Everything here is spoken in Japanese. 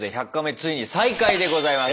ついに再開でございます。